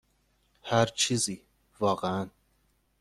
هر چیزی، واقعا.